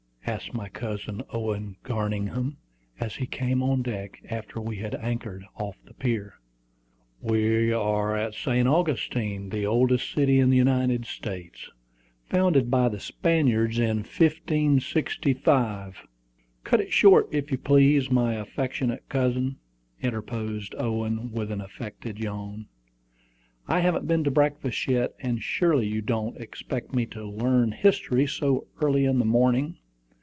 asked my cousin Owen Garningham, as he came on deck after we had anchored off the pier. "We are at St. Augustine, the oldest city in the United States, founded by the Spaniards in 1565 " "Cut it short, if you please, my affectionate cousin," interposed Owen, with an affected yawn. "I haven't been to breakfast yet; and surely you don't expect me to learn history so early in the morning.